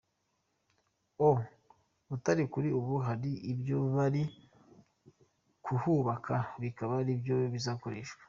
O Butare, kuri ubu hari ibyo bari kuhubaka bikaba ari byo bizakoreshwa.